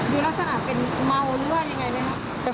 ดูลักษณะเป็นเมาหรือว่ายังไงไหมครับ